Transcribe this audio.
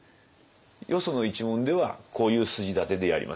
よその一門ではこういう筋立てでやります。